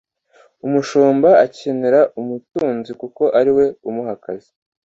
umushumba akenera umutunzi kuko ariwe umuha akazi